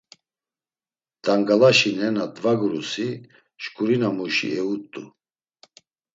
T̆angalaşi nena dvagurusi, şǩurinamuşi eut̆u.